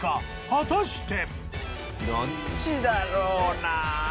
果たして。